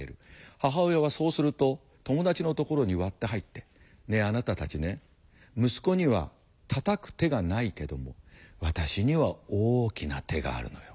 母親はそうすると友達のところに割って入って「ねえあなたたちね息子にはたたく手がないけども私には大きな手があるのよ。